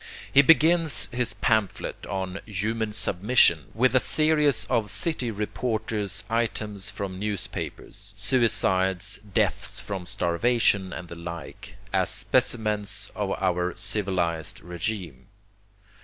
He begins his pamphlet on 'Human Submission' with a series of city reporter's items from newspapers (suicides, deaths from starvation and the like) as specimens of our civilized regime.